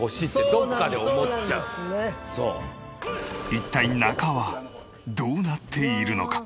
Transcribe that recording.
一体中はどうなっているのか？